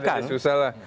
wah ini susah lah